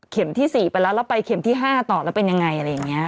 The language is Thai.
ที่๔ไปแล้วแล้วไปเข็มที่๕ต่อแล้วเป็นยังไงอะไรอย่างนี้